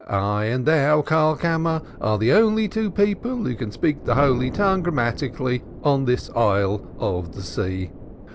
I and thou, Karlkammer, are the only two people who can speak the Holy Tongue grammatically on this isle of the sea.